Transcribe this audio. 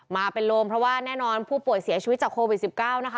มาเป็นลมเพราะว่าแน่นอนผู้ป่วยเสียชีวิตจากโควิด๑๙นะคะ